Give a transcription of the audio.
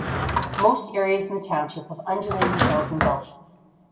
Most areas in the township have undulating hills and gullies.